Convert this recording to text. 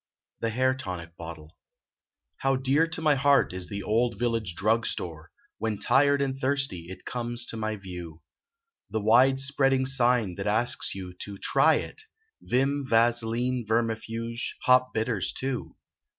THE HAIR TONIC BOTTLE How dear to my heart is the old village drug store, When tired and thirsty it conies to my view. The wide spreading sign that asks you to "Try it," Vim, Vaseline, Vermifuge, Hop Bitters, too.